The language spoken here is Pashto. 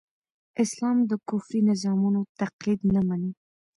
اسلام د کفري نظامونو تقليد نه مني.